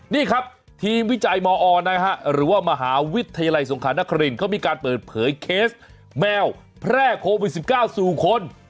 นี่ครับทีมวิจัยมอนะฮะหรือว่ามหาวิทยาลัยสงครานครินเขามีการเปิดเผยเคสแมวแพร่โควิด๑๙สู่คน